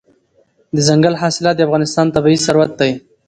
دځنګل حاصلات د افغانستان طبعي ثروت دی.